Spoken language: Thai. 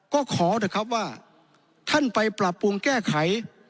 ก็ขอเถอะครับว่าท่านไปปรับปรุงแก้ไข